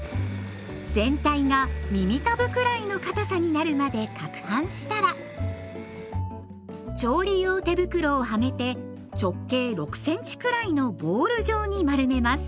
全体が耳たぶくらいのかたさになるまでかくはんしたら調理用手袋をはめて直径６センチくらいのボール状に丸めます。